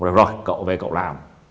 được rồi cậu về cậu làm